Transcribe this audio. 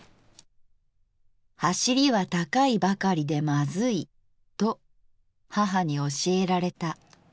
「『はしり』は高いばかりでまずいと母に教えられた。